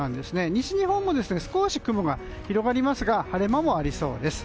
西日本も、少し雲が広がりますが晴れ間もありそうです。